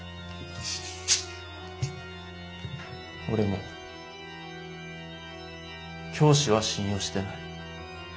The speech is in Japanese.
俺も「教師」は信用してない。